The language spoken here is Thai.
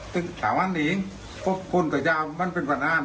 ตั้งแต่วันนี้พวกคุณกับเจ้ามันเป็นฝันอ้าม